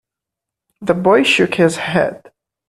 The boy shook his head.